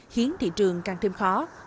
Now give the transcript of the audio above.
khiến thị trường càng thêm khó